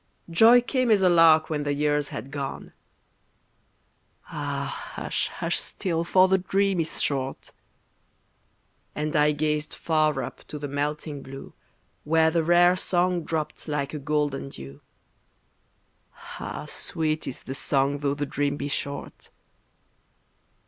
Joy came as a lark when the years had gone, (Ah! hush, hush still, for the dream is short!) And I gazed far up to the melting blue Where the rare song dropped like a golden dew. (Ah! sweet is the song tho' the dream be short!)